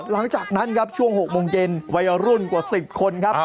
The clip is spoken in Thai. หลังจากนั้นครับช่วง๖โมงเย็นวัยรุ่นกว่า๑๐คนครับ